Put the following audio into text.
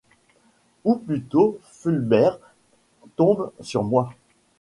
Ou plutôt Fulbert tombe sur moi.